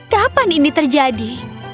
kapan ini terjadi